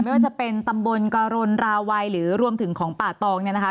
ไม่ว่าจะเป็นตำบลกรณราวัยหรือรวมถึงของป่าตองเนี่ยนะคะ